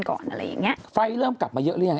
อะไรอย่างเงี้ยไฟเริ่มกลับมาเยอะหรือยัง